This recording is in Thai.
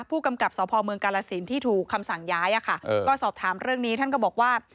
ผู้กำกับสพเมืองกาลสินที่ถูกคำสั่งย้ายก็สอบถามเรื่องนี้ท่านก็บอกว่า